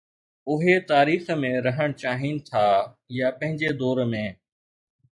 اهي تاريخ ۾ رهڻ چاهين ٿا يا پنهنجي دور ۾؟